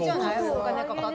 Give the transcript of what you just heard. お金がかかって。